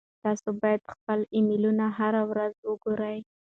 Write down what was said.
تاسو باید خپل ایمیلونه هره ورځ وګورئ.